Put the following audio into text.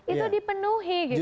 itu dipenuhi gitu